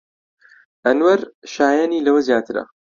ئەنوەر شایەنی لەوە زیاترە.